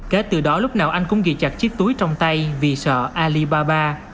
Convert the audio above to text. kể từ đó lúc nào anh cũng ghi chặt chiếc túi trong tay vì sợ alibaba